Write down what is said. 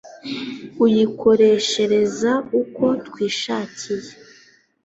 uyikoreshereza uko twishakiye